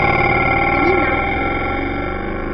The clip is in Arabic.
أمينة